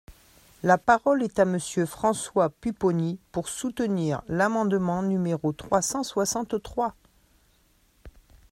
La parole est à Monsieur François Pupponi, pour soutenir l’amendement numéro trois cent soixante-trois.